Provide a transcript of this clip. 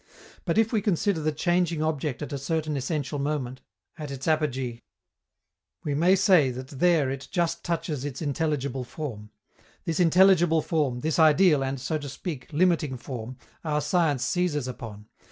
But if we consider the changing object at a certain essential moment, at its apogee, we may say that there it just touches its intelligible form. This intelligible form, this ideal and, so to speak, limiting form, our science seizes upon.